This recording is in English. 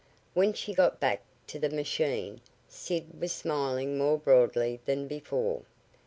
When she got back to the machine, Sid was smiling more broadly than before.